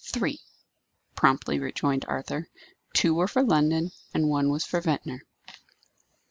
"Three," promptly rejoined Arthur. "Two were for London, and one was for Ventnor."